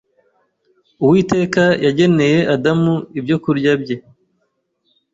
Uwiteka yageneye Adamu ibyokurya bye.